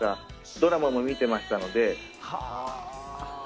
ドラマも見てましたので。